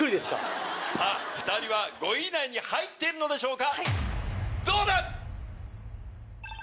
さぁ２人は５位以内に入ってるのでしょうか